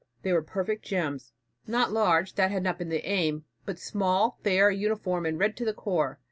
They were perfect gems. Not large, that had not been the aim, but small, fair, uniform, and red to the core.